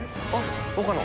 岡野。